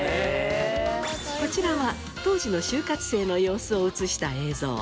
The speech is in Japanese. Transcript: こちらは当時の就活生の様子を映した映像。